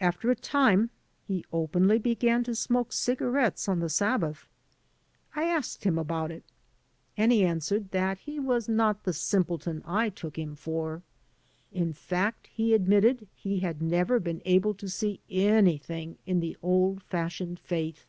After a time he openly began to smoke cigarettes on the Sabbath. I asked 100 AN AMERICAN IN THE MAKING him about it, and he answered that he was not the simpleton I took him for. In f act, he admitted, he had never been able to see anything in the old fashioned faith.